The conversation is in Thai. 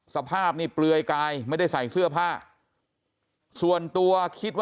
สภาพนี่เปลือยกายไม่ได้ใส่เสื้อผ้าส่วนตัวคิดว่า